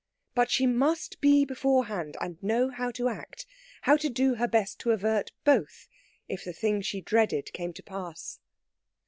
But she must be beforehand, and know how to act, how to do her best to avert both, if the thing she dreaded came to pass....